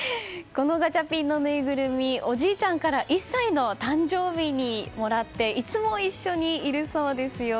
このガチャピンのぬいぐるみおじいちゃんから１歳の誕生日にもらっていつも一緒にいるそうですよ。